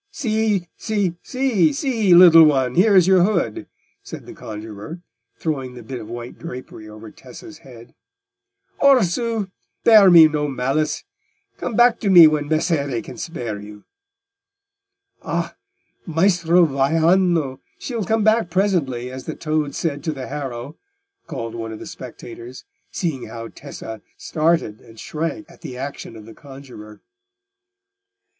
"See, see, little one! here is your hood," said the conjuror, throwing the bit of white drapery over Tessa's head. "Orsù, bear me no malice; come back to me when Messere can spare you." "Ah! Maestro Vaiano, she'll come back presently, as the toad said to the harrow," called out one of the spectators, seeing how Tessa started and shrank at the action of the conjuror.